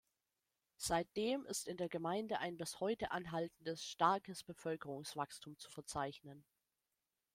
Seitdem ist in der Gemeinde ein bis heute anhaltendes starkes Bevölkerungswachstum zu verzeichnen.